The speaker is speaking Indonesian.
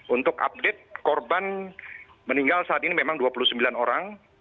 untuk update korban meninggal saat ini memang dua puluh sembilan orang